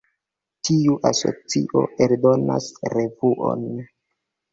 Tiu asocio eldonas revuon.